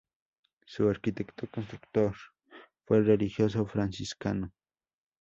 Su arquitecto constructor fue el religioso franciscano Fr.